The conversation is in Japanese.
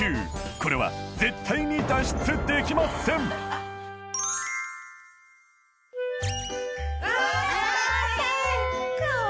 これは絶対に脱出できませんうわ